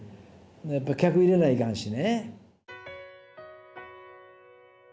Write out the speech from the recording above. やっぱ客入れないかんしね。